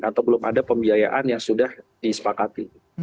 atau belum ada pembiayaan yang sudah disepakati